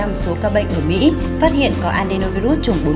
và năm mươi số ca bệnh ở mỹ phát hiện có adenovirus chủng bốn mươi một